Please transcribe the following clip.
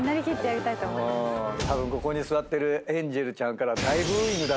たぶんここに座ってるエンジェルちゃんからは。